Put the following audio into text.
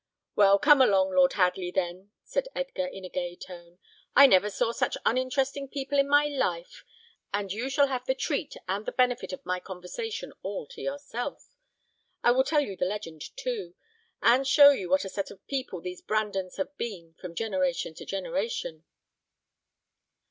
"Well, come along, Lord Hadley, then," said Edgar, in a gay tone; "I never saw such uninteresting people in my life, and you shall have the treat and the benefit of my conversation all to yourself. I will tell you the legend, too, and show you what a set of people these Brandons have been from generation to generation."